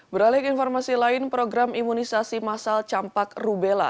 beralih ke informasi lain program imunisasi masal campak rubella